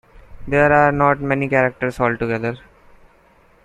There are not many characters altogether.